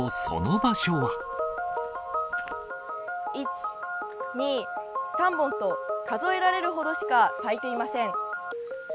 １、２、３本と、数えられるほどしか咲いていません。